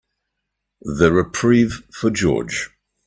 The reprieve for George.